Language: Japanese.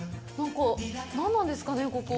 何なんですかね、ここ。